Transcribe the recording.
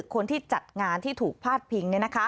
คนที่จัดงานที่ถูกพาดพิง